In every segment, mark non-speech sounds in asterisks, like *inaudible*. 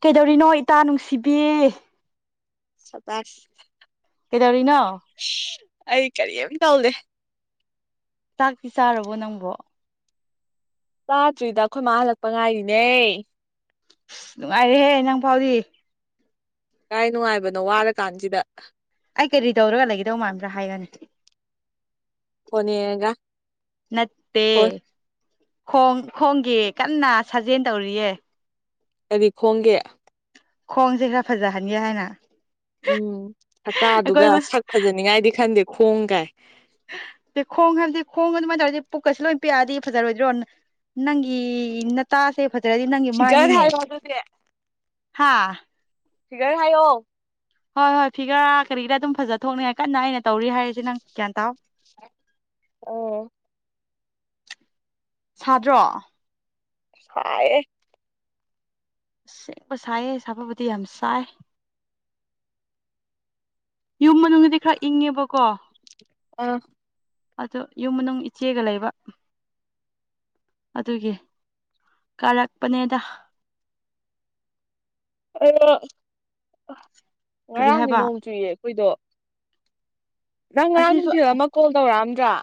ꯀꯩꯗꯧꯔꯤꯅꯣ ꯏꯇꯥ ꯅꯨꯡꯁꯤꯕꯤꯌꯦ *unintelligible* ꯀꯩꯗꯧꯔꯤꯅꯣ ꯑꯩ ꯀꯔꯤꯝ ꯇꯧꯗꯦ ꯇꯥꯛꯇꯤ ꯆꯥꯔꯕꯣ ꯅꯪꯕꯣ ꯆꯥꯗ꯭ꯔꯤꯗ ꯑꯩꯈꯣꯏ ꯃꯥ ꯍꯜꯂꯛꯄ ꯉꯥꯏꯔꯤꯅꯦ ꯅꯨꯡꯉꯥꯏꯔꯦꯍꯦ ꯅꯪ ꯐꯥꯎꯗꯤ ꯀꯥꯏ ꯅꯨꯡꯉꯥꯏꯕꯅꯣ ꯋꯥꯔꯀꯥꯟꯁꯤꯗ ꯑꯩ ꯀꯔꯤ ꯇꯧꯔꯒ ꯂꯩꯒꯗꯧ ꯃꯥꯟꯕ꯭ꯔꯥ ꯍꯥꯏꯒ ꯅꯦ ꯐꯣꯅꯦ ꯌꯦꯪꯂꯒꯥ ꯅꯠꯇꯦ ꯐꯣꯜ ꯈꯣꯡ ꯈꯣꯡꯒꯤ ꯀꯟꯅ ꯁꯥꯖꯦꯜ ꯇꯧꯔꯤꯌꯦ ꯀꯔꯤ ꯈꯣꯡꯒꯦ ꯈꯣꯡꯁꯦ ꯈꯔ ꯐꯖꯍꯟꯒꯦ ꯍꯥꯏꯅ ꯎꯝ ꯁꯀꯥꯗꯨꯒ ꯑꯩꯈꯣꯏ ꯁꯛ ꯐꯖꯅꯤꯉꯥꯏꯗꯤ ꯈꯟꯗꯦ ꯈꯣꯡꯒꯥꯏ ꯈꯣꯡ ꯍꯥꯏꯕꯗꯤ ꯈꯣꯡ ꯑꯗꯨꯃꯥꯏꯅ ꯇꯧꯔꯗꯤ ꯄꯨꯛꯀꯁꯨ ꯂꯣꯏ ꯄꯤꯛꯗꯤ ꯐꯖꯔꯣꯏꯗ꯭ꯔꯣꯅ ꯅꯪꯒꯤ ꯅꯇꯥꯁꯦ ꯐꯖ꯭ꯔꯗꯤ ꯅꯪꯒꯤ ꯐꯤꯒꯔ ꯃꯥꯏꯅꯤꯅꯦ ꯍꯥꯏꯌꯣ ꯑꯗꯨꯗꯤ ꯍꯥꯥ ꯐꯤꯒꯔ ꯍꯥꯏꯌꯣ ꯍꯣꯏ ꯍꯣꯏ ꯐꯤꯒꯔꯥ ꯀꯔꯤꯒꯤꯔꯥ ꯑꯗꯨꯝ ꯐꯖꯊꯅꯤꯡꯉꯥꯏ ꯀꯟꯅ ꯍꯥꯏꯅ ꯇꯧꯔꯤ ꯍꯥꯏꯔꯤꯁꯦ ꯅꯪ ꯒ꯭ꯌꯥꯟ ꯇꯥ ꯑꯣ ꯁꯥꯗ꯭ꯔꯣ ꯁꯥꯏꯍꯦ ꯁꯦꯡꯕ ꯁꯥꯏꯌꯦ ꯁꯥꯕꯕꯨꯗꯤ ꯌꯥꯝ ꯁꯥꯏ ꯌꯨꯝ ꯃꯅꯨꯡꯗꯗꯤ ꯈꯔ ꯏꯪꯉꯦꯕꯀꯣ ꯑꯎ ꯑꯗꯣ ꯌꯨꯝ ꯃꯅꯨꯡ ꯏꯆꯦꯒ ꯂꯩꯕ ꯑꯗꯨꯒꯤ ꯀꯥꯔꯛꯄꯅꯦꯗ *unintelligible* ꯑꯗꯣ ꯀꯔꯤ ꯉꯔꯥꯡꯗꯤ ꯍꯥꯏꯕ ꯅꯣꯡ ꯆꯨꯏꯌꯦ ꯑꯩꯈꯣꯏꯗꯣ ꯅꯪ ꯉꯔꯥꯡ ꯑꯁꯤꯁꯨ ꯅꯨꯡꯊꯤꯜ ꯑꯃ ꯀꯣꯜ ꯇꯧꯔꯛꯑꯝꯗ꯭ꯔꯥ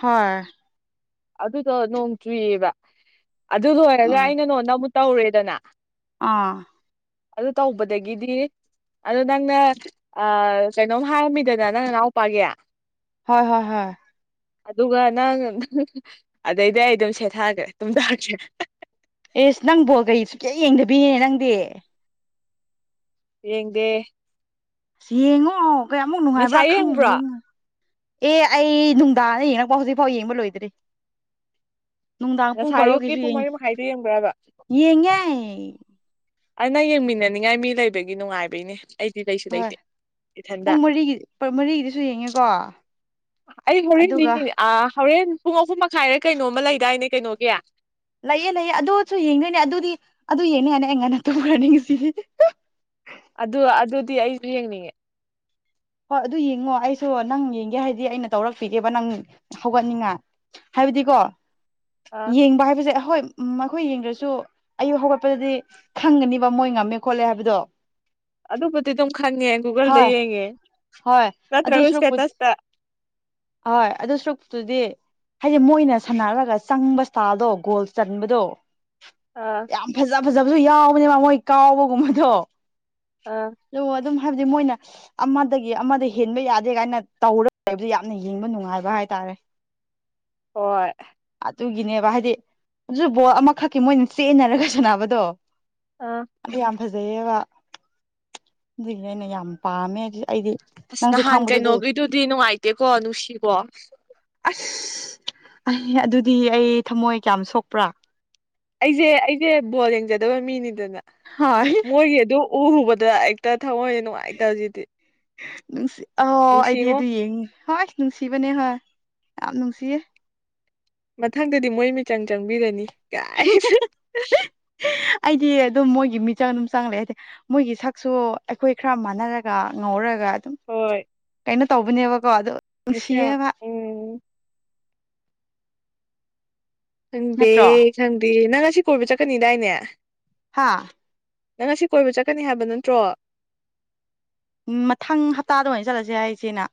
ꯍꯣꯏ ꯑꯗꯨꯗꯣ ꯅꯣꯡ ꯆꯨꯏꯌꯦꯕ ꯑꯗꯨ ꯂꯣꯏꯔꯒ ꯎꯝ ꯑꯩꯅ ꯅꯉꯣꯟꯗ ꯑꯃꯨꯛ ꯇꯧꯔꯦꯗꯅ ꯑꯥ ꯑꯗꯨ ꯇꯧꯕꯗꯒꯤꯗꯤ ꯑꯗꯣ ꯅꯪꯅ ꯀꯩꯅꯣꯝ ꯍꯥꯏꯔꯝꯃꯤꯗꯅ ꯅꯪ ꯅꯅꯥꯎꯄꯥꯒꯤ ꯍꯣꯏ ꯍꯣꯏ ꯍꯣꯏ ꯑꯗꯨꯒ ꯅꯪ ꯑꯗꯩꯗꯤ ꯑꯩ ꯑꯗꯨꯝ ꯁꯦꯊꯥꯈ꯭ꯔꯦ ꯇꯨꯝꯗꯦ ꯑꯦꯁ ꯅꯪꯕꯣ ꯀꯩ ꯁꯨ ꯀꯌꯥ ꯌꯦꯡꯗꯕꯤꯅꯦ ꯅꯪꯗꯤ ꯌꯦꯡꯗꯦ ꯑꯁ ꯌꯦꯡꯉꯣ ꯀꯌꯥꯃꯨꯛ ꯉꯁꯥꯏ ꯅꯨꯡꯉꯥꯏꯕ꯭ꯔꯥ ꯈꯪꯉ ꯌꯦꯡꯕ꯭ꯔꯣ ꯌꯦꯡꯉꯣ ꯑꯦ ꯑꯩ ꯅꯨꯡꯗꯥꯡꯅ ꯌꯦꯡꯉꯛꯄ ꯍꯧꯖꯤꯛꯐꯥꯎ ꯌꯦꯡꯕ ꯂꯣꯏꯗ꯭ꯔꯤ ꯅꯨꯡꯗꯥꯡ ꯄꯨꯡ ꯉꯁꯥꯏ ꯄꯔꯣꯒꯤꯁꯨ ꯑꯌꯨꯛꯀꯤ ꯄꯨꯡ ꯌꯦꯡ ꯃꯔꯤ ꯃꯈꯥꯏꯗꯣ ꯌꯦꯡꯕ꯭ꯔꯕ ꯌꯦꯡꯉꯦ ꯑ ꯅ ꯌꯦꯡꯃꯤꯟꯅꯅꯤꯡꯉꯥꯏ ꯃꯤ ꯂꯩꯕꯒꯤ ꯅꯨꯡꯉꯥꯏꯕꯩꯅꯦ ꯑꯩꯗꯤ ꯀꯩꯁꯨ ꯍꯣꯏ ꯂꯩꯇꯦ ꯏꯊꯟꯗ ꯄꯨꯡ ꯃꯔꯤꯒꯤ ꯃꯔꯤꯒꯤꯗꯨꯁꯨ ꯌꯦꯡꯉꯦꯀꯣ ꯑꯩ ꯍꯣꯔꯦꯟꯗꯤ ꯑꯗꯨꯒ ꯍꯣꯔꯦꯟ ꯄꯨꯡ ꯑꯍꯨꯝ ꯃꯈꯥꯏꯔ ꯀꯩꯅꯣꯃ ꯂꯩꯗꯥꯏꯅꯦ ꯀꯩꯅꯣꯒꯤ ꯂꯩꯌꯦ ꯂꯩꯌꯦ ꯑꯗꯨꯁꯨ ꯌꯦꯡꯗꯣꯏꯅꯦ ꯑꯗꯨꯗꯤ ꯑꯗꯨ ꯌꯦꯡꯅꯤ ꯌꯥꯅꯤ ꯑꯩ ꯉꯟꯅ ꯇꯧꯈ꯭ꯔꯅꯤꯁꯤ ꯑꯗꯨ ꯑꯗꯨꯗꯤ ꯑꯩꯁꯨ ꯌꯦꯡꯅꯤꯡꯉꯦ ꯍꯣꯏ ꯑꯗꯨ ꯌꯦꯡꯉꯣ ꯑꯩꯁꯨ ꯅꯪ ꯌꯦꯡꯒꯦ ꯍꯥꯏꯗꯤ ꯑꯩꯅ ꯇꯧꯔꯛꯄꯤꯒꯦꯕ ꯅꯪ ꯍꯧꯒꯠꯅꯤꯡꯉꯥꯏ ꯍꯥꯏꯕꯗꯤꯀꯣ ꯑꯥ ꯌꯦꯡꯕ ꯍꯥꯏꯕꯁꯦ ꯍꯣꯏ ꯃꯈꯣꯏ ꯌꯦꯡꯗ꯭ꯔꯁꯨ ꯑꯌꯨꯛ ꯍꯧꯒꯠꯄꯗꯗꯤ ꯈꯪꯒꯅꯤꯕ ꯃꯣꯏ ꯉꯝꯃꯦ ꯈꯣꯠꯂꯦ ꯍꯥꯏꯕꯗꯣ ꯑꯗꯨꯕꯨꯗꯤ ꯑꯗꯨꯝ ꯈꯪꯉꯦ ꯒꯨꯒꯜꯗ ꯍꯣꯏ ꯌꯦꯡꯉꯦ ꯍꯣꯏ ꯑꯗꯨ ꯅꯠꯇ꯭ꯔꯒ ꯁꯔꯨꯛꯄꯨ ꯏꯁꯇꯦꯇꯁꯇ ꯍꯣꯏ ꯑꯗꯨ ꯁꯨꯛꯇꯨꯗꯤ ꯍꯥꯏꯗꯤ ꯃꯣꯏꯅ ꯁꯥꯟꯅꯔꯒ ꯆꯪꯕ ꯏꯁꯇꯥꯜꯗꯣ ꯒꯣꯜ ꯆꯟꯕꯗꯣ ꯑꯥ ꯌꯥꯝ ꯐꯖ ꯐꯖꯕꯁꯨ ꯌꯥꯎꯕꯅꯦ ꯃ ꯃꯣꯏ ꯀꯥꯎꯕꯒꯨꯝꯕꯗꯣ ꯑꯥ ꯑꯣ ꯑꯗꯨ ꯍꯥꯏꯕꯗꯤ ꯃꯣꯏꯅ ꯑꯃꯗꯒꯤ ꯑꯃꯗ ꯍꯦꯟꯕ ꯌꯥꯗꯦ ꯀꯥꯏꯅ ꯇꯧꯔꯒ ꯂꯩꯕ ꯅ ꯌꯦꯡꯕ ꯅꯨꯡꯉꯥꯏꯕ ꯍꯥꯏꯇꯥꯔꯦ ꯍꯣꯏ ꯑꯗꯨꯒꯤꯅꯦꯕ ꯍꯥꯏꯗꯤ ꯑꯗꯨ ꯕꯣꯠ ꯑꯃꯈꯛꯀꯤ ꯃꯣꯏꯅ ꯆꯦꯟꯅꯔꯒ ꯁꯥꯟꯅꯕꯗꯣ ꯑꯥ ꯑꯗꯨ ꯌꯥꯝ ꯐꯖꯩꯌꯦꯕ ꯑꯗꯨꯒꯤꯅꯦ ꯑꯩꯅ ꯌꯥꯝ ꯄꯥꯝꯃꯦ ꯑꯩꯗꯤ ꯑꯁ ꯅꯪꯁꯨ ꯅꯍꯥꯟ ꯈꯪꯕꯗꯨꯗꯤ ꯀꯩꯅꯣꯒꯤꯗꯨꯗꯤ ꯅꯨꯡꯉꯥꯏꯇꯦꯀꯣ ꯅꯨꯡꯁꯤꯕꯣ ꯑꯁ ꯑꯗꯨꯗꯤ ꯑꯩ ꯊꯝꯃꯣꯏ ꯀꯌꯥꯝ ꯁꯣꯛꯄ꯭ꯔꯥ ꯑꯩꯁꯦ ꯑꯩꯁꯦ ꯕꯣꯜ ꯌꯦꯡꯖꯗꯕ ꯃꯤꯅꯤꯗꯅ ꯍꯣꯏ ꯃꯣꯏꯒꯤ ꯑꯗꯨ ꯎ ꯍꯨꯕꯗ ꯍꯦꯛꯇ ꯊꯑꯣꯏꯁ ꯅꯨꯡꯉꯥꯏꯇꯁꯤꯗꯤ ꯅꯨꯡꯁꯤ ꯑ ꯑꯩꯗꯤ ꯑꯗꯨ ꯌꯦꯡꯉꯤ ꯍꯣꯏ ꯅꯨꯡꯁꯤꯕꯅꯦ ꯍꯣꯏ ꯌꯥꯝꯞ ꯅꯨꯡꯁꯤꯌꯦ ꯃꯊꯪꯗꯨꯗꯤ ꯃꯣꯏ ꯃꯤꯆꯪ ꯆꯪꯕꯤꯔꯅꯤ ꯀꯥꯏ ꯑꯩꯗꯤ ꯑꯗꯨꯝ ꯃꯣꯏꯒꯤ ꯃꯤꯆꯪ ꯑꯗꯨꯝ ꯆꯪꯂꯛꯑꯦ ꯍꯥꯏꯗꯤ ꯃꯣꯏꯒꯤ ꯁꯛꯁꯨ ꯑꯩꯈꯣꯏ ꯈꯔ ꯃꯥꯟꯅꯔꯒ ꯉꯧꯔꯒ ꯑꯗꯨꯝ ꯍꯣꯏ ꯀꯩꯅꯣ ꯇꯧꯕꯅꯦꯕꯀꯣ ꯑ ꯑꯦꯁꯤꯌꯥ ꯅꯨꯡꯁꯤꯌꯦꯕ ꯎꯝ ꯈꯪꯗꯦ ꯅꯠꯇ꯭ꯔꯣ ꯈꯪꯗꯦ ꯅꯪ ꯉꯁꯤ ꯀꯣꯏꯕ ꯆꯠꯀꯅꯤꯗꯥꯏꯅꯦ ꯍꯥꯥ ꯅꯪ ꯑꯁꯤ ꯀꯣꯏꯕ ꯆꯠꯀꯅꯤ ꯍꯥꯏꯕ ꯅꯠꯇ꯭ꯔꯣ ꯎꯝ ꯃꯊꯪ ꯍꯞꯇꯥꯗ ꯑꯣꯏꯅ ꯆꯠꯂꯁꯦ ꯍꯥꯏꯆꯦꯅ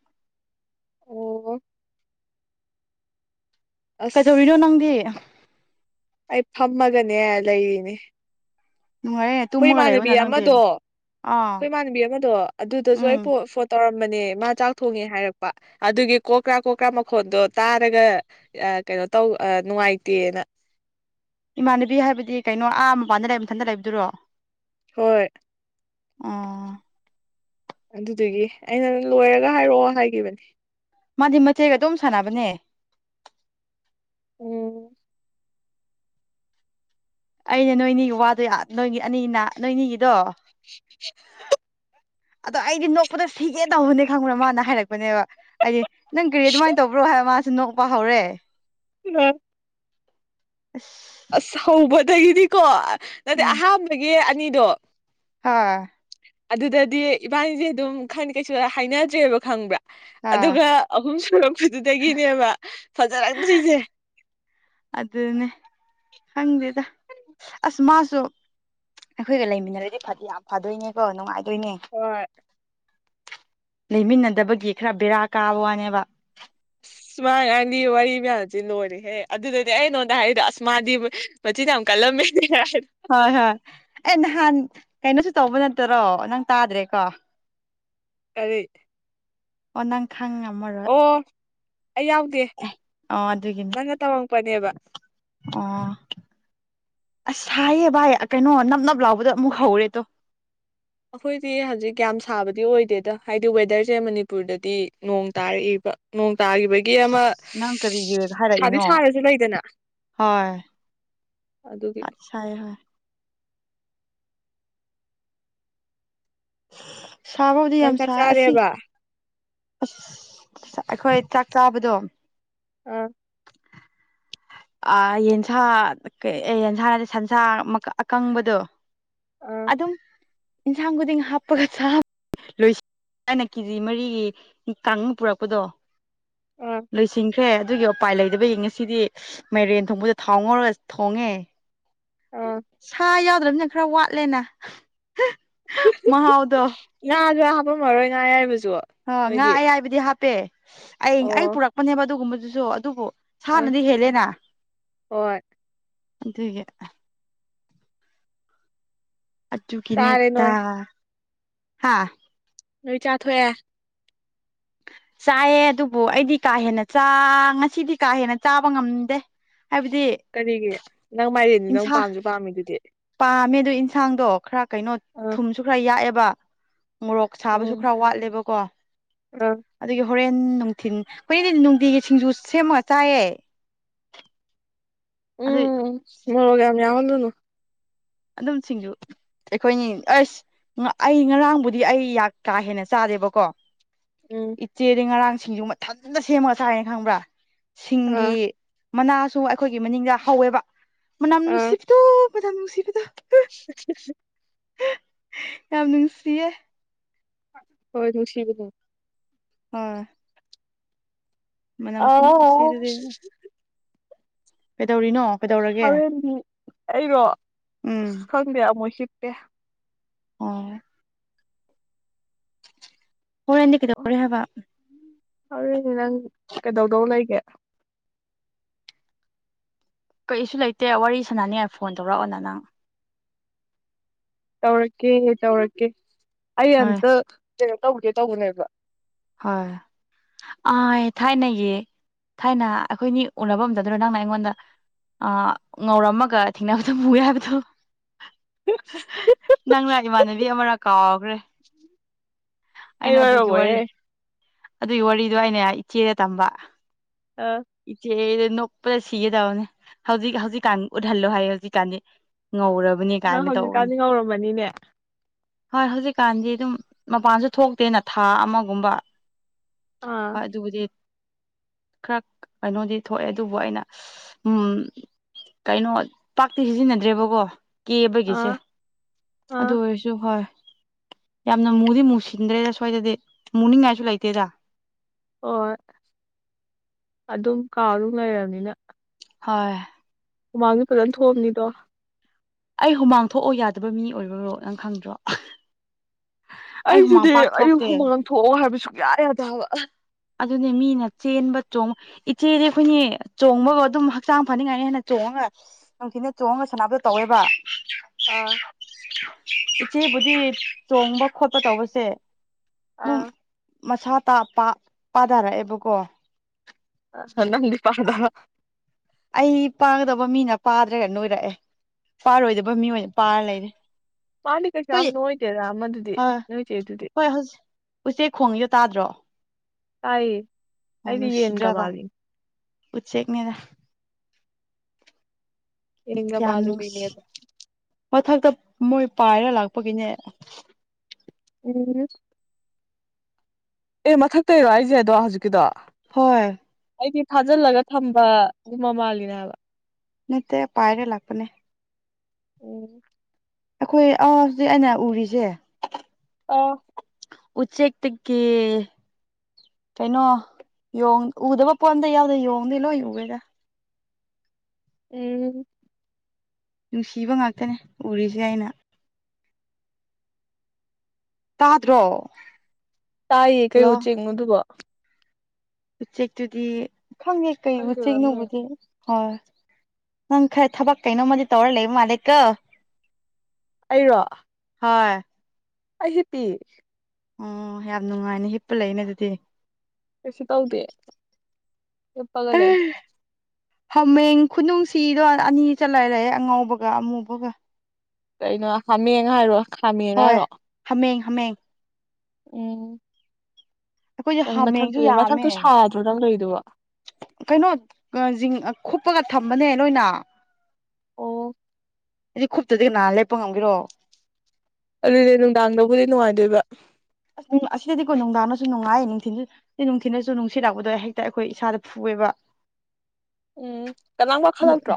ꯑꯣ ꯑꯁ ꯀꯩꯗꯧꯔꯤꯅꯣ ꯅꯪꯗꯤ ꯑꯩ ꯐꯝꯃꯒꯅꯦ ꯂꯩꯔꯤꯅꯦ ꯅꯨꯡꯉꯥꯏꯔꯦ ꯑꯩꯈꯣꯏ ꯇꯨꯝꯃꯒ ꯏꯃꯥꯟꯅꯕꯤ ꯂꯩꯌꯣꯅ ꯅꯪꯗꯤ ꯑꯃꯗꯣ ꯑꯥ ꯑꯩꯈꯣꯏ ꯏꯃꯥꯟꯅꯕꯤ ꯑꯃꯗꯣ ꯑꯗꯨꯗꯁꯨ ꯑꯩ ꯎꯝ ꯐꯣꯟ ꯇꯧꯔ ꯅꯦ ꯃꯥ ꯆꯥꯛ ꯊꯣꯡꯉꯦ ꯍꯥꯏꯔꯛꯄ ꯑꯗꯨꯒꯤ ꯀꯣꯀ꯭ꯔꯥ ꯀꯣꯀ꯭ꯔꯥ ꯃꯈꯣꯟꯗꯣ ꯇꯥꯔꯒ ꯀꯩꯅꯣ ꯇꯧ ꯅꯨꯡꯉꯥꯏꯇꯦꯅ ꯏꯃꯥꯟꯅꯕꯤ ꯍꯥꯏꯕꯗꯤ ꯀꯩꯅꯣ ꯑꯥ ꯃꯄꯥꯟꯗ ꯂꯩ ꯃꯊꯟꯇ ꯂꯩꯕꯗꯨꯔꯣ ꯍꯣꯏ ꯑ ꯑꯗꯨꯗꯨꯒꯤ ꯑꯩꯅ ꯂꯣꯏꯔꯒ ꯍꯥꯏꯔꯛꯑꯣ ꯍꯥꯏꯈꯤꯕꯅꯤ ꯃꯥꯗꯤ ꯃꯆꯦꯒ ꯑꯗꯨꯝ ꯁꯥꯟꯅꯕꯅꯦ ꯎꯝ ꯑꯅꯦ ꯅꯣꯏꯅꯤꯒꯤ ꯋꯥꯗꯣ ꯅꯣꯏꯒꯤ ꯑꯅꯤꯅ ꯅꯣꯏꯅꯤꯒꯤꯗꯣ *unintelligible* ꯑꯗꯣ ꯑꯩꯗꯤ ꯅꯣꯛꯄꯗ ꯁꯤꯒꯦ ꯇꯧꯧꯕꯅꯦ ꯈꯪꯕ꯭ꯔꯥ ꯃꯥꯅ ꯍꯥꯏꯔꯛꯦ ꯄꯅꯦꯕ ꯍꯥꯏꯗꯤ ꯅꯪ ꯀꯔꯤ ꯑꯗꯨꯃꯥꯏꯅ ꯇꯧꯕ꯭ꯔꯣ ꯍꯥꯏꯕ ꯃꯥꯁꯨ ꯅꯣꯛꯄ ꯍꯧꯔꯦ ꯑ ꯑ ꯑꯁ ꯍꯧꯕꯗꯒꯤꯗꯤꯀꯣ ꯅꯠꯇꯗꯤ ꯑꯍꯥꯟꯕꯒꯤ ꯑꯅꯤꯗꯣ ꯍꯥꯥ ꯑꯗꯨꯗꯗꯤ ꯏꯕꯥꯅꯤꯁꯦ ꯑꯗꯨꯝ ꯈ ꯀꯩꯁꯨ ꯍꯥꯏꯅꯗ꯭ꯔꯦꯕ ꯈꯪꯕ꯭ꯔꯥ ꯍꯣꯏ ꯑꯗꯨꯒ ꯑꯍꯨꯝ ꯁꯨꯔꯛꯄꯗꯨꯗꯒꯤꯅꯦꯕ ꯐꯖꯔꯛꯇ꯭ꯣꯏꯅꯦꯦ ꯑꯗꯨꯗꯅꯦ ꯍꯪꯗꯦꯗ ꯑꯁ ꯃꯥꯁ ꯁꯨ ꯑꯩꯈꯣꯏꯒ ꯂꯩꯃꯤꯟꯅꯔꯗꯤ ꯌꯥꯝ ꯐꯗꯣꯏꯅꯦꯀꯣ ꯅꯨꯡꯉꯥꯏ ꯍ ꯂꯩꯃꯤꯟꯅꯗꯕꯒꯤ ꯈꯔ ꯕꯦꯔꯥ ꯀꯥꯕ ꯋꯥꯅꯦꯕ ꯑꯁꯃꯥꯉꯥꯟꯗꯤ ꯋꯥꯔꯤ ꯃꯌꯥꯝꯁꯤ ꯂꯣꯏꯔꯦꯍꯦ ꯑꯗꯨꯗꯗꯤ ꯑꯩ ꯅꯉꯣꯟꯗ ꯍꯥꯏꯔꯤꯗꯣ ꯑꯁꯃꯥꯗꯤ ꯃꯆꯤꯟ ꯌꯥꯝ ꯍꯂꯂꯝ ꯃ ꯍꯣꯏ ꯍꯣꯏ ꯑꯦ ꯅꯍꯥꯟ ꯀꯩꯅꯣꯁꯨ ꯇꯧꯕ ꯅꯠꯇꯔꯣ ꯅꯪ ꯇꯥꯗ꯭ꯔꯦꯀꯣ ꯇꯔꯤ ꯑꯣꯅꯥꯈꯥꯡ ꯑꯃ ꯑꯃꯔ ꯑꯩ ꯌꯥꯎꯗꯦ ꯅꯪꯅ ꯇꯧꯉꯃꯛꯄꯅꯦꯕ ꯑꯥ ꯑꯁ ꯍꯥꯏꯥꯏꯌꯦ ꯚꯥꯏ ꯀꯩꯅꯣ ꯅꯞ ꯅꯞ ꯂꯥꯎꯕꯗꯣ ꯑꯃꯨꯛ ꯍꯧꯔꯦꯗꯣ ꯑꯩꯈꯣꯏꯗꯤ ꯍꯧꯖꯤꯛ ꯌꯥꯝ ꯁꯥꯕꯗꯤ ꯑꯣꯏꯗꯦꯗ ꯍꯥꯏꯗꯤ ꯋꯦꯗꯔꯁꯦ ꯃꯅꯤꯄꯨꯔꯗꯗꯤ ꯅꯣꯡ ꯇꯥꯔꯛꯏꯕ ꯅꯣꯡ ꯇꯥꯈꯤꯕꯒꯤ ꯑꯃ ꯑꯁ ꯅꯪ ꯀꯔꯤꯒꯤ ꯁꯥꯗꯤ ꯍꯥꯏꯔꯛꯏꯅꯣ ꯁꯥꯔꯁꯨ ꯂꯩꯗꯅ ꯑꯗꯨꯒꯤ ꯆꯠ ꯁꯥꯏ ꯍꯣꯏ ꯁꯥꯕꯥꯎꯗꯤ ꯅꯪ ꯌꯥꯝ ꯆꯥꯛ ꯁꯥꯏ ꯑꯁꯤ ꯆꯥꯔꯦꯕ ꯑꯁ ꯑꯩꯈꯣꯏ ꯆꯥꯛ ꯆꯥꯕꯗꯣ ꯑꯥ ꯑ ꯌꯦꯟꯁꯥ ꯀ ꯑꯦ ꯌꯦꯟꯁꯥꯅꯠꯇꯦ ꯁꯟꯁꯥ ꯑꯀꯪꯕꯗꯣ ꯑꯥ ꯑꯗꯨꯝ ꯑꯦꯟꯁꯥꯡ ꯈꯨꯗꯤꯡ ꯍꯥꯞꯄꯒ ꯆꯥꯕ ꯂꯣꯏꯁꯤꯟꯅ ꯀꯦꯖꯤ ꯃꯔꯤꯒꯤ ꯀꯪꯉꯥ ꯄꯨꯔꯛꯄꯗꯣ ꯑꯥ ꯂꯣꯏꯁꯤꯟꯈ꯭ꯔꯦ ꯑꯗꯨꯒꯤ ꯎꯄꯥꯏ ꯂꯩꯇꯕꯒꯤ ꯉꯁꯤꯗꯤ ꯃꯥꯏꯔꯦꯟ ꯊꯣꯡꯕꯗ ꯊꯥꯎꯉꯧꯔꯒ ꯊꯣꯡꯉꯦ ꯑꯥ ꯁꯥ ꯌꯥꯎꯗ ꯁꯅ ꯈꯔ ꯋꯥꯠꯂꯦꯅ ꯃꯍꯥꯎꯗꯣ ꯉꯥꯖꯨ ꯍꯥꯞꯄꯝ ꯃꯔꯣꯏ ꯉꯥ ꯑꯌꯥꯏꯕꯁꯨ ꯑ ꯉꯥ ꯅꯣꯏꯗꯤ ꯑꯌꯥꯏꯕꯗꯤ ꯍꯥꯞꯄꯦ ꯑꯩ ꯑꯩ ꯑꯣ ꯄꯨꯔꯛꯄꯅꯦꯕ ꯑꯗꯨꯒꯨꯝꯕꯗꯨꯁꯨ ꯑꯗꯨꯕꯨ ꯑꯥ ꯁꯥꯟꯅꯗꯤ ꯍꯦꯜꯂꯦꯅ ꯍꯣꯏ ꯑꯗꯨꯒꯤ ꯆꯥꯔꯦ ꯑꯗꯨꯒꯤꯅꯦꯗ ꯅꯣꯏ ꯍꯥꯥ ꯅꯣꯏ ꯆꯥꯊꯣꯛꯑꯦ *unintelligible* *unintelligible* ꯆꯥꯏꯌꯦ ꯑꯗꯨꯕꯨ ꯑꯩꯗꯤ ꯀꯥ ꯍꯦꯟꯅ ꯆꯥ ꯉꯁꯤꯗꯤ ꯀꯥ ꯍꯦꯟꯅ ꯆꯥꯕ ꯉꯝꯗꯦ ꯍꯥꯏꯕꯗꯤ ꯀꯔꯤꯒꯤ ꯅꯪ ꯃꯥꯏꯔꯦꯟꯗꯤ ꯅꯪ ꯏꯟꯁꯥꯡ ꯄꯥꯝꯁꯨ ꯄꯥꯝꯃꯤꯗꯨꯗꯤ ꯄꯥꯝꯃꯦ ꯑꯗꯨ ꯏꯟꯟꯁꯥꯡꯗꯣ ꯈꯔ ꯀꯩꯅꯣ ꯑꯥ ꯊꯨꯝꯁꯨ ꯈꯔ ꯌꯥꯛꯑꯦꯕ ꯃꯣꯔꯣꯛ ꯁꯥꯕꯁꯨ ꯎꯝ ꯈꯔ ꯋꯥꯠꯂꯦꯕꯀꯣ ꯑꯥ ꯑꯗꯨꯒꯤ ꯍꯣꯔꯦꯟ ꯅꯨꯡꯊꯤꯟ ꯑꯩꯈꯣꯏꯗꯤ ꯅꯨꯡꯇꯤꯒꯤ ꯁꯤꯡꯖꯨ ꯁꯦꯝꯃꯒ ꯆꯥꯏꯌꯦ ꯑꯗꯨ ꯎꯝ ꯃꯣꯔꯣꯛ ꯌꯥꯝ ꯌꯥꯎꯜꯂꯨꯅꯨ ꯑꯗꯨꯝ ꯁꯤꯡꯖꯨ ꯑꯩꯈꯣꯏꯅꯤ ꯑꯁ ꯑꯩ ꯉꯔꯥꯡꯕꯨꯗꯤ ꯑꯩ ꯀꯥ ꯍꯦꯟꯅ ꯆꯥꯗꯦꯕꯀꯣ ꯎꯝ ꯏꯆꯦꯗꯤ ꯉꯔꯥꯡ ꯁꯤꯡꯖꯨ ꯃꯊꯟꯇ ꯁꯦꯝꯃꯒ ꯆꯥꯏ ꯈꯪꯕ꯭ꯔꯥ ꯁꯤꯡꯒꯤ ꯑꯥ ꯃꯅꯥꯁꯨ ꯑꯩꯈꯣꯏꯒꯤ ꯃꯅꯤꯡꯗ ꯍꯧꯋꯦꯕ ꯃꯅꯝ ꯑꯥ ꯅꯨꯡꯁꯤꯕꯗꯣ ꯄ ꯉꯅꯨꯡꯁꯤ *unintelligible* *unintelligible* ꯌꯥꯝ ꯅꯨꯡꯁꯤꯌꯦ ꯍꯣꯏ ꯅꯨꯡꯁꯤꯕꯗꯣ ꯑ ꯃꯅꯝ ꯑꯥꯎ ꯈꯨꯅꯨꯡꯁꯤꯗꯨꯗꯤ ꯀꯩꯗꯧꯔꯤꯅꯣ ꯀꯩꯗꯧꯔꯒꯦ ꯍꯣꯔꯦꯟꯗꯤ ꯑꯩꯔꯣ ꯎꯝ ꯑꯁ ꯈꯪꯗꯦ ꯑꯃꯨꯛ ꯍꯤꯞꯄꯦ ꯑꯣ ꯍꯣꯔꯦꯟꯗꯤ ꯀꯩꯗꯧꯔꯦ ꯍꯥꯏꯕ ꯍꯧꯔꯦꯟꯅꯦ ꯅꯪ ꯀꯩꯗꯧꯗꯧ ꯂꯩꯒꯦ ꯀꯩꯁꯨ ꯂꯩꯇꯦ ꯋꯥꯔꯤ ꯁꯥꯟꯅꯅꯤꯉꯥꯏ ꯐꯣꯟ ꯇꯧꯔꯛꯑꯣꯅ ꯅꯪ ꯇꯧꯔꯛꯀꯦꯍ ꯇꯧꯔꯛꯀꯦ ꯑꯩ ꯍꯣꯏ ꯑꯝꯇ ꯀꯩꯅꯣ ꯇꯧꯒꯦ ꯇꯧꯕꯅꯦꯕ ꯍꯣꯏ ꯑꯣꯏ ꯊꯥꯏꯅꯒꯤ ꯊꯥꯏꯅ ꯑꯩꯈꯣꯏꯅꯤ ꯎꯅꯕꯗꯗ꯭ꯔꯣ ꯅꯪꯅ ꯑꯩꯉꯣꯟꯗ ꯑ ꯉꯧꯔꯝꯃꯒ ꯊꯦꯡꯅꯕꯗ ꯃꯨꯌꯦ ꯍꯥꯏꯕꯗꯣ ꯅꯪꯅ ꯏꯃꯥꯟꯅꯕꯤ ꯑꯃꯔꯥ ꯀꯥꯎꯈ꯭ꯔꯦ ꯑꯩ ꯑꯩꯅ ꯑꯗꯨꯒꯤ ꯋꯥꯔꯕ ꯋꯥꯔꯤ ꯑꯗꯨꯒꯤ ꯋꯥꯔꯤꯗꯣ ꯑꯩꯅ ꯏꯆꯦꯗ ꯇꯝꯕ ꯑꯥ ꯏꯆꯦ ꯅꯣꯛꯄꯗ ꯁꯤꯒꯦ ꯇꯅꯦ ꯍꯧꯖꯤꯛ ꯍꯧꯖꯤꯛꯀꯥꯟ ꯎꯠꯍꯜꯂꯣ ꯍꯥꯏꯌꯦ ꯍꯧꯖꯤꯛꯀꯥꯟꯗꯤ ꯉꯧꯔꯕꯅꯤ ꯅꯪ ꯀꯥꯏꯅ ꯇꯧꯕꯅꯤ ꯍꯧꯖꯤꯛꯀꯥꯟꯗꯤ ꯉꯧꯔꯝꯃꯅꯤꯅꯦ ꯍꯣꯏ ꯍꯧꯖꯤꯛꯀꯥꯟꯗꯤ ꯑꯗꯨꯝ ꯃꯄꯥꯟꯁꯨ ꯊꯣꯛꯇꯦꯅ ꯊꯥ ꯑꯃꯒꯨꯝꯕ ꯑꯥ ꯍꯣꯏ ꯑꯗꯨꯕꯨ ꯈꯔ ꯀꯩꯅꯣꯗꯤ ꯊꯣꯛꯑꯦ ꯑꯗꯨꯕꯨ ꯑꯩꯅ ꯎꯝ ꯀꯩꯅꯣ ꯄꯥꯛꯇꯤ ꯁꯤꯖꯤꯟꯅꯗ꯭ꯔꯦꯕꯀꯣ ꯀꯦꯕꯒꯤꯁꯦ ꯑꯥ ꯑꯥ ꯑꯗꯨ ꯑꯣꯏꯔꯁꯨ ꯍꯣꯏ ꯌꯥꯝꯅ ꯃꯨꯗꯤ ꯃꯨꯁꯤꯟꯗ꯭ꯔꯦꯗ ꯁ꯭ꯋꯥꯏꯗꯗꯤ ꯃꯨꯅꯤꯡꯉꯥꯏꯁꯨ ꯂꯩꯇꯦꯗ ꯍꯣꯏ ꯑꯗꯨꯝ ꯀꯥꯎꯗꯨ ꯂꯩꯔꯕꯅꯤꯅ ꯍꯣꯏ ꯃꯃꯥꯡꯒꯤ ꯐꯖꯅ ꯊꯣꯛꯑꯕꯅꯤꯗꯣ ꯑꯩ ꯍꯨꯃꯥꯡ ꯊꯣꯛꯑꯣ ꯌꯥꯗꯕ ꯃꯤ ꯑꯣꯏꯕ꯭ꯔꯣ ꯅꯪ ꯈꯪꯗ꯭ꯔꯣ ꯑꯩ ꯍꯨꯃꯥꯡ ꯑꯩꯁꯤꯗꯤ ꯄꯥꯛ ꯑꯩ ꯊꯣꯛꯇꯦ ꯍꯨꯃꯥꯡ ꯊꯣꯛꯑꯣ ꯍꯥꯏꯕ ꯁꯨꯡꯛꯌꯥ ꯌꯥꯗꯕ ꯑꯗꯨꯅꯦ ꯃꯤꯅ ꯆꯦꯟꯕ ꯆꯣꯡ ꯏꯆꯦꯗꯤ ꯑꯩꯈꯣꯏꯅꯦ ꯆꯣꯡꯕꯒ ꯑꯗꯨꯝ ꯍꯛꯆꯥꯡ ꯐꯅꯤꯡꯉꯥꯏꯅ ꯍꯦꯟꯅ ꯆꯣꯡꯉꯣ ꯉ ꯅꯨꯡꯊꯤꯅ ꯆꯣꯡꯉꯒ ꯁꯥꯟꯅꯕꯗꯣ ꯇꯧꯋꯦꯕ ꯑꯥ ꯏꯆꯦꯕꯨꯗꯤ ꯆꯣꯡꯕ ꯈꯣꯠꯄ ꯇꯧꯕꯁꯦ ꯑꯗꯨꯝ ꯑꯥ ꯃꯁꯥ ꯇ ꯄꯥꯊꯔꯛꯑꯦꯕꯀꯣ ꯀ ꯄꯗ ꯑꯩ ꯄꯥꯒꯗꯕ ꯃꯤꯅ ꯄꯥꯗ꯭ꯔꯒ ꯅꯣꯏꯔꯛꯑꯦ ꯄꯥꯔꯣꯏꯗꯕ ꯃꯤ ꯑꯣꯏꯅ ꯄꯥꯔ ꯂꯩꯔꯦ ꯃꯥꯂꯤꯀꯁꯨꯝ ꯍꯣꯏ ꯅꯣꯣꯏꯇꯦꯗ ꯃꯗꯨꯗꯤꯦ ꯍꯣꯏ ꯅꯣꯏꯇꯦ ꯏ ꯑꯗꯨꯗꯤꯦ ꯍꯣꯏ ꯍꯧꯖꯤꯛ ꯎꯆꯦꯛ ꯈꯣꯡꯉꯤꯁꯨꯣ ꯇꯥꯗ꯭ꯔꯣ ꯇꯥꯏꯌꯦ ꯇꯥꯏꯗꯤ ꯌꯦꯟ ꯀ ꯃꯥꯂꯤ ꯄꯨꯦꯅꯦꯗ ꯌꯦꯟꯒ ꯌꯥꯝꯅꯁꯤ ꯃꯥꯜꯂꯨꯔꯤꯅꯦꯕ ꯃꯊꯛꯇ ꯃꯣꯏ ꯄꯥꯏꯔ ꯂꯥꯛ ꯄ ꯀꯉ ꯎꯝ ꯑꯦ ꯃꯊꯛꯇ ꯏꯔꯣ ꯑꯩꯁꯦ ꯑꯗꯣ ꯍꯧꯖꯤꯛꯀꯤꯗꯣ ꯍꯣꯏ ꯑꯩꯗꯤ ꯊꯥꯖꯤꯜꯂꯒ ꯊꯝꯕ ꯑꯗꯨ ꯃꯃꯜꯜꯂꯤꯅꯦ ꯍꯥꯏꯕ ꯅꯇ ꯄꯥꯏꯔ ꯂꯥꯛꯄꯅꯦ ꯎꯝ ꯑꯩꯈꯣꯏ ꯑ ꯍꯧꯖꯤꯛ ꯑꯩꯅ ꯎꯔꯤꯁꯦ ꯑ ꯎꯆꯦꯛꯛꯇ ꯀ ꯀꯩꯅꯣ ꯎꯗꯕ ꯄꯣꯝꯗ ꯌꯥꯎꯗ ꯌꯣꯡꯗꯦ ꯂꯣꯏ ꯎꯒꯦꯒ ꯎ ꯅꯨꯡꯁꯤꯕ ꯉꯥꯛꯇꯅꯦ ꯎꯔꯤꯁꯦ ꯑꯩꯅ ꯇꯥꯗ꯭ꯔꯣ ꯇꯥꯏꯌꯦ ꯍꯜꯂꯣ ꯀꯩꯣ ꯆꯤꯡꯉꯨꯗꯨꯕ ꯎꯆꯦꯛꯇꯨꯗꯤ ꯈꯪꯉꯦ ꯀꯩ ꯈꯪꯗꯦꯕꯃꯤ ꯎꯆꯦꯛꯅꯣꯕꯨꯗꯤ ꯍꯣꯏ ꯅꯪ ꯈꯔ ꯊꯕꯛ ꯀꯩꯅꯣꯝꯃꯗꯤ ꯇꯧꯔ ꯂꯩꯕ ꯃꯥꯂꯦꯀ ꯑꯩꯔꯣ ꯍꯣꯏ ꯑꯩ ꯄꯤ ꯑꯣ ꯌꯥꯝ ꯅꯨꯡꯉꯥꯏꯅꯦ ꯍꯤꯞꯄ ꯂꯩꯅꯦ ꯑꯗꯨꯗꯤ ꯀꯩꯁꯨ ꯇꯧꯗꯦ ꯆꯄꯒ ꯂꯩ ꯍꯥꯃꯦꯡ ꯈꯨꯅꯨꯡꯁꯤꯗꯣ ꯑꯅꯤ ꯆꯠꯂꯔꯑꯦ ꯑꯉꯥꯎꯕꯒ ꯑꯃꯨꯕꯒ ꯀꯩꯅꯣ ꯈꯃꯤ ꯌꯦꯉ ꯍꯥꯏꯔ ꯋꯥ ꯍꯣꯏ ꯍꯥꯃꯦꯡ ꯍꯥꯃꯦꯡ ꯎꯝ ꯑꯩꯈꯣꯏꯁꯦ ꯅꯪ ꯃꯊꯛꯇꯨ ꯍꯥꯃꯦꯡꯁꯨ ꯃꯊꯛꯇꯣ ꯌꯥꯝꯃꯦ ꯁꯥꯗ꯭ꯔꯣ ꯅꯪ ꯂꯩꯣꯏꯔꯤꯗꯕ ꯀꯩꯅꯣ ꯈꯨꯄꯒ ꯊꯝꯕꯅꯦ ꯅꯣꯏꯅ ꯑꯣ ꯑꯩꯗꯤ ꯈꯨꯇꯗꯤ ꯀꯍꯥꯟ ꯂꯦꯞꯄ ꯉꯝꯒꯤꯔꯣ ꯑꯗꯨꯏꯅꯦ ꯅꯨꯡꯗꯥꯡꯗꯕꯨꯗꯤ ꯅꯨꯡꯉꯥꯏꯗꯣꯏꯕ ꯑꯁ ꯑꯁꯤꯗꯗꯤꯀꯣ ꯅꯨꯡꯗꯥꯡꯅꯁꯨ ꯅꯨꯡꯉꯥꯏꯌꯦ ꯅꯨꯡꯊꯤꯟꯁꯨ ꯅꯨꯡꯊꯤꯅꯁꯨ ꯅꯨꯡꯁꯤꯠꯂꯛꯄꯗꯣ ꯍꯦꯛꯇ ꯑꯩꯈꯣꯏ ꯏꯁꯥꯗ ꯐꯦ ꯑꯣꯏꯕ ꯎꯝ ꯀꯅꯥ ꯋꯥ ꯈꯜꯂꯛꯇ꯭ꯔꯣ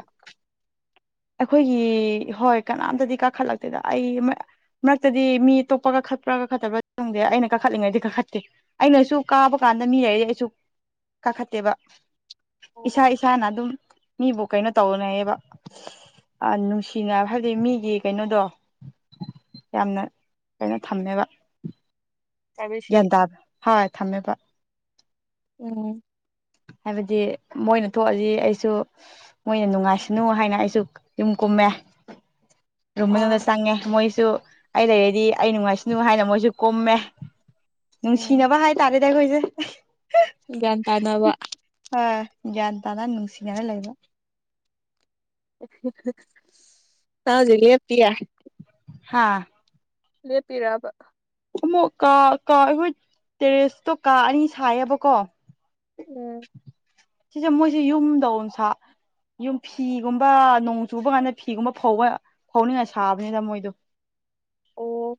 ꯑꯩꯈꯣꯏꯒꯤ ꯍꯣꯏ ꯀꯅꯥꯝꯇꯗꯤ ꯀꯥꯈꯠꯂꯛꯇꯦꯗ ꯑꯩ ꯃꯔꯛꯇꯗꯤ ꯃꯤ ꯇꯣꯞꯄꯒ ꯈꯠꯄ꯭ꯔꯥꯒ ꯈꯠꯇꯕ꯭ꯔꯥ ꯈꯪꯗꯦ ꯑꯩꯅ ꯀꯥꯈꯠꯂꯤꯉꯩꯗꯤ ꯀꯥꯈꯠꯇꯦ ꯑꯩꯅꯁꯨ ꯀꯥꯕ ꯀ ꯀꯥꯟꯗ ꯃꯤ ꯂꯩꯔꯗꯤ ꯑꯩꯁꯨ ꯀꯥꯈꯠꯇꯦꯕ ꯏꯁꯥ ꯑꯣ ꯏꯁꯥꯅ ꯑꯗꯨꯝ ꯃꯤꯕꯨ ꯀꯩꯅꯣ ꯇꯧꯅꯩꯌꯦꯕ ꯑ ꯅꯨꯡꯁꯤꯅꯕ ꯍꯥꯏꯗꯤ ꯃꯤꯒꯤ ꯀꯩꯅꯣꯗꯣ ꯌꯥꯝꯅ ꯀꯩꯅ ꯊꯝꯅꯦꯕ ꯄ꯭ꯔꯥꯏꯚꯦꯁꯤ ꯒ꯭ꯌꯥꯟ ꯇꯥꯕ ꯍꯣꯏ ꯊꯝꯃꯦꯕ ꯎꯝ ꯍꯥꯏꯕꯗꯤ ꯃꯣꯏꯅ ꯊꯣꯛꯑꯗꯤ ꯑꯩꯁꯨ ꯃꯣꯏꯅ ꯅꯨꯡꯉꯥꯏꯁꯅꯨ ꯍꯥꯏꯅ ꯑꯩꯁꯨ ꯌꯨꯝ ꯀꯨꯝ ꯑꯥ ꯔꯨꯝꯃꯤꯗ ꯆꯪꯉꯦ ꯃꯣꯏꯁꯨ ꯑꯩ ꯂꯩꯔꯗꯤ ꯑꯩ ꯅꯨꯡꯉꯥꯏꯁꯅꯨ ꯍꯥꯏꯅ ꯃꯣꯏꯁꯨ ꯀꯨꯝꯃꯦ ꯎꯝ ꯅꯨꯡꯁꯤꯅꯕ ꯍꯥꯏꯇꯥꯥꯔꯦ ꯗꯣꯏꯁꯦ ꯒ꯭ꯌꯥꯟ ꯇꯥꯅꯕ ꯠ ꯇꯔꯥ ꯅꯅꯨꯡꯁꯤ ꯉꯅ ꯂꯩꯕ ꯍꯥꯎꯖꯂ ꯄꯌꯥ ꯍꯥꯥ ꯂꯦꯞꯄꯤꯔꯕ ꯑꯃꯨꯛ ꯀꯥ ꯀꯥ ꯑꯩꯈꯣꯏ ꯇꯦꯔꯦꯁꯇꯣ ꯀꯥ ꯑꯅꯤ ꯁꯥꯏꯌꯦꯕꯀꯣ ꯎꯝ ꯁꯤꯁꯦ ꯃꯣꯏꯁꯦ ꯌꯨꯝꯗ ꯑ ꯁꯥ ꯌꯨꯝ ꯐꯤꯒꯨꯝꯕ ꯅꯣꯡ ꯆꯨꯕ ꯀꯥꯟꯗ ꯐꯤꯒꯨꯝꯕ ꯐꯧꯕ ꯐꯧꯅꯤꯉꯥꯏ ꯁꯥꯕꯅꯤꯅ ꯃꯣꯏꯗꯣ ꯑꯣ